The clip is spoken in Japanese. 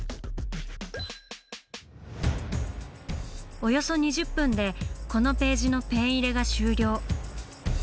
およそ２０分でこのページのペン入れが終了。